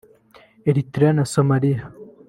Eritrea na Somalia